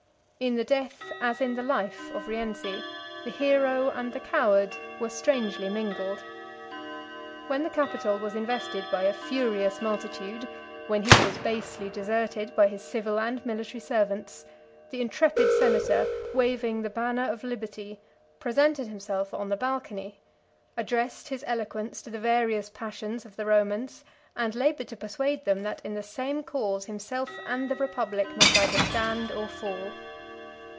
In the death, as in the life, of Rienzi, the hero and the coward were strangely mingled. When the Capitol was invested by a furious multitude, when he was basely deserted by his civil and military servants, the intrepid senator, waving the banner of liberty, presented himself on the balcony, addressed his eloquence to the various passions of the Romans, and labored to persuade them, that in the same cause himself and the republic must either stand or fall.